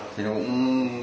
thì nó cũng